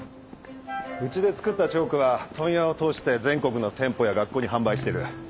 うちで作ったチョークは問屋を通して全国の店舗や学校に販売してる。